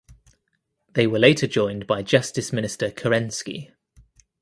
They were later joined by Justice Minister Kerensky.